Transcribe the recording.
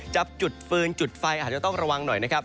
จุดฟืนจุดไฟอาจจะต้องระวังหน่อยนะครับ